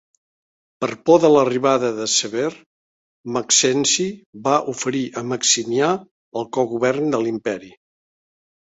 Per por de l'arribada de Sever, Maxenci va oferir a Maximià el cogovern de l'imperi.